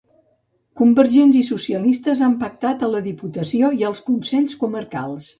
Convergents i socialistes han pactat a la diputació i als consells comarcals.